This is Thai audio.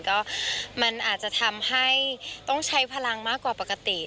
ก็มันอาจจะทำให้ต้องใช้พลังมากกว่าปกติ